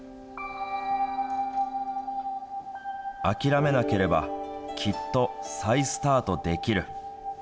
諦めなければきっと再スタートできる。